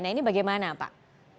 nah ini bagaimana pak